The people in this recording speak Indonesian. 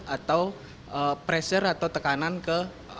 atau pressure atau tekanan ke